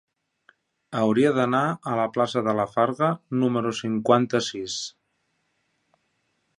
Hauria d'anar a la plaça de la Farga número cinquanta-sis.